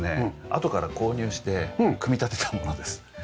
あとから購入して組み立てたものです。